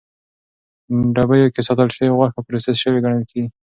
ډبیو کې ساتل شوې غوښه پروسس شوې ګڼل کېږي.